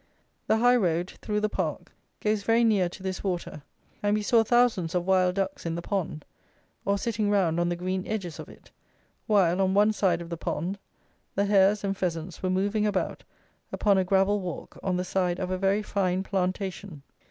The high road, through the park, goes very near to this water; and we saw thousands of wild ducks in the pond, or sitting round on the green edges of it, while, on one side of the pond, the hares and pheasants were moving about upon a gravel walk on the side of a very fine plantation.